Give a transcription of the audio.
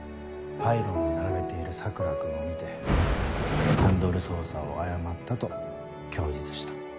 パイロンを並べている桜君を見てハンドル操作を誤ったと供述した。